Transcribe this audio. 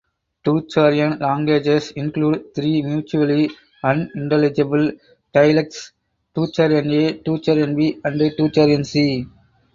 Tocharian languages include three mutually unintelligible dialects, Tocharian A, Tocharian B and Tocharian C.